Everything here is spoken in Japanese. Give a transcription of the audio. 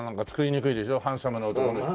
ハンサムな男の人。